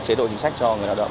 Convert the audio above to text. và đều doanh nghiệp cho nghỉ